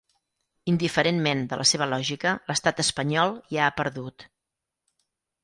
Indiferentment de la seva lògica, l’estat espanyol ja ha perdut.